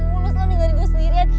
bangun lo dengerin gue sendirian